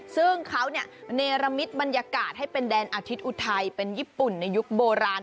ซึ่งเขาเนรมิตบรรยากาศให้เป็นแดนอาทิตย์อุทัยเป็นญี่ปุ่นในยุคโบราณ